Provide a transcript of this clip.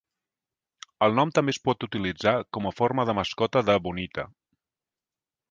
El nom també es pot utilitzar com a forma de mascota de Bonita.